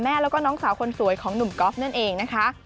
แล้วก็น้องสาวคนสวยของหนุ่มก๊อฟนั่นเองนะคะ